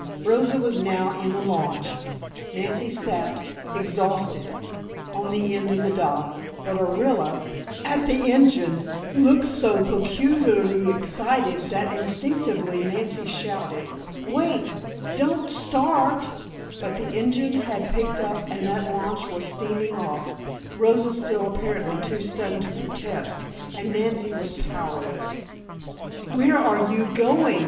Rosa was now in the launch, Nancy sat, exhausted, on the end of the dock, but Orilla, at the engine, looked so peculiarly excited that instinctively Nancy shouted: "Wait! Don't start!" But the engine had picked up and that launch was steaming off, Rosa still apparently too stunned to protest, and Nancy was powerless! "Where are you going?"